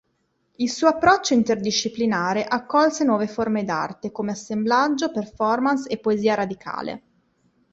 Il suo approccio interdisciplinare accolse nuove forme d'arte come assemblaggio, performance e poesia radicale.